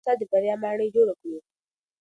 موږ کولی شو د کثافاتو په سر د بریا ماڼۍ جوړه کړو.